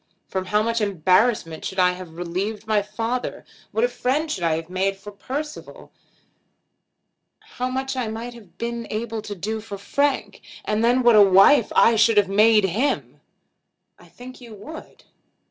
From how much embarrassment should I have relieved my father! What a friend I should have made for Percival! How much I might have been able to do for Frank! And then what a wife I should have made him!" "I think you would."